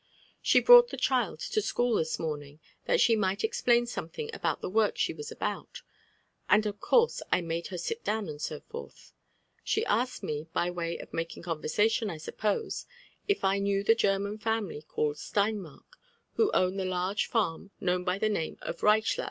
She brought the child to school this moraiiig, that she might explain something about the work she was about ;. and of course I made her sit dowOy and so forth. She asked me, by way of makmg conversa^ tion, I suppose, if I knew the German family called Sleinmark, who own the large farm known by the name of Reiehland.